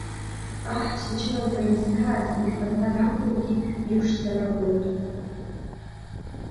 Аҳцәа чымазара зҭааз ихаҭа дамгаргьы иԥшӡара агоит.